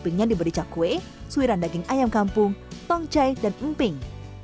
empingnya diberi cakwe suiran daging ayam kampung tongcai dan emping